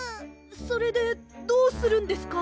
それでどうするんですか？